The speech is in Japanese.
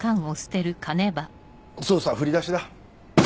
捜査は振り出しだ。